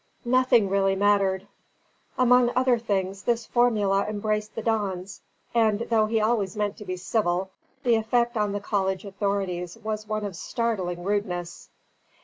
"Nothing really mattered"; among other things, this formula embraced the dons; and though he always meant to be civil, the effect on the college authorities was one of startling rudeness.